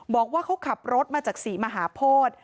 บอกว่าเขาขับรถมาจากศรีมหาโพธิ